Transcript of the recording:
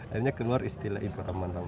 akhirnya keluar istilah itu teman teman